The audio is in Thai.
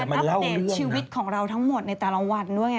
อัพเดทของเราทั้งหมดในแต่ละวันด้วยค่ะ